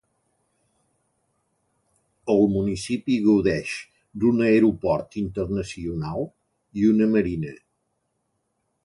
El municipi gaudeix d'un aeroport internacional i una marina.